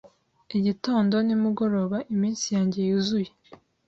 igitondo nimugoroba Iminsi yanjye yuzuye